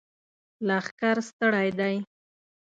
لښکر ستړی دی!